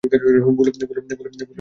ভুল উত্তর, নাইজেল।